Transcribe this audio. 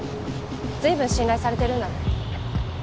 随分信頼されてるんだね。